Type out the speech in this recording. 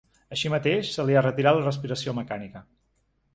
Així mateix, se li ha retirat la respiració mecànica.